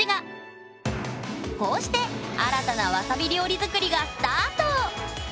こうして新たなわさび料理作りがスタート！